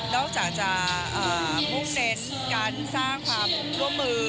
อกจากจะมุ่งเซนต์การสร้างความร่วมมือ